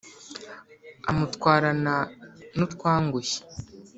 amutwarana n’utwangushye.